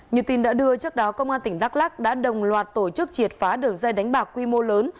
như tin đã đưa trước đó công an tỉnh đắk lắc đã đồng loạt tổ chức triệt phá đường dây đánh bạc quy mô lớn